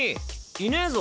いねえぞ。